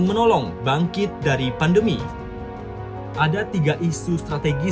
namun dampak pandemi yang belum usai